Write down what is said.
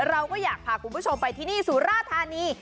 เราก็อยากพาคุณผู้ชมไปที่นี่สุราธานี